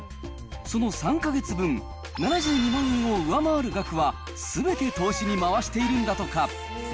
その３か月分、７２万円を上回る額は、すべて投資に回しているんだとか。